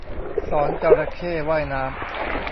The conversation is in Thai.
สอนจระเข้ว่ายน้ำ